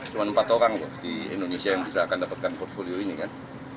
cuma empat orang di indonesia yang bisa akan dapatkan portfolio ini kan